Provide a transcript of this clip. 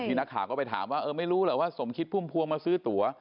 นี่นักข่าวก็ไปถามว่าเออไม่รู้หรอกว่าสมคิดพุ่มพวงมาซื้อตั๋ว